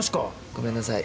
ごめんなさい。